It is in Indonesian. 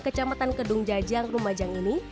kecamatan kedung jajang lumajang ini